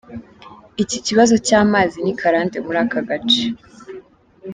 Iki kibazo cy’amazi ni karande muri aka gace.